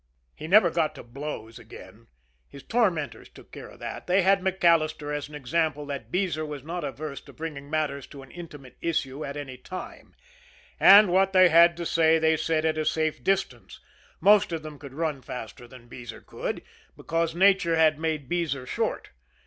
He never got to blows again. His tormentors took care of that. They had MacAllister as an example that Beezer was not averse to bringing matters to an intimate issue at any time, and what they had to say they said at a safe distance most of them could run faster than Beezer could, because nature had made Beezer short.